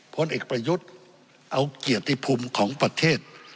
ผลเอกประยุทธ์เอาเกียรติภูมิของประเทศ